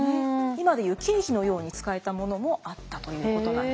今で言う経費のように使えたものもあったということなんです。